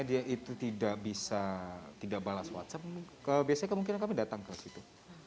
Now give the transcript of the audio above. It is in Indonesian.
dia itu tidak bisa tidak balas whatsapp biasanya kemungkinan kami datang ke situ